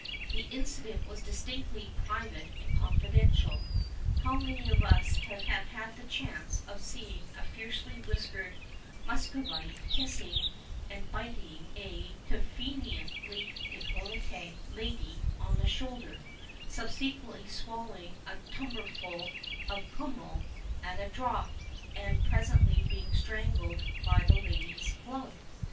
The incident was distinctly " private and confidential." How many of us have had the chance of seeing a fiercely whiskered Muscovite kissing and biting a (conveniently dccoUctee) lady on the shoulder, subsequently swallowing a tumberful of kummel at a draught, and presently being strangled by the lady's glove